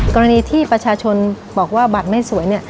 กรณีที่ประชาชนบอกว่าบัตรไม่สวยเนี่ย